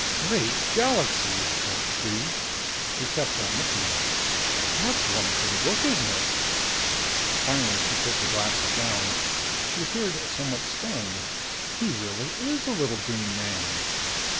"Great Galaxies!" Pilch breathed. She kept on looking. "That's one for the book, isn't it?" Finally she put the glasses down. She appeared somewhat stunned. "He really is a little green man!"